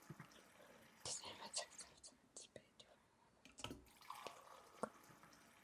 This enables the suspension to be "beefed up" and the ground clearance increased.